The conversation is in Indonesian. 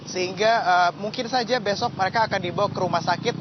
sehingga mungkin saja besok mereka akan dibawa ke rumah sakit